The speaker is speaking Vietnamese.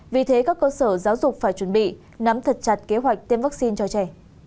vì thế các cơ sở giáo dục phải chuẩn bị nắm thật chặt kế hoạch tiêm vaccine cho trẻ